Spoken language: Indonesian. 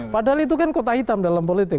padahal itu kan kota hitam dalam politik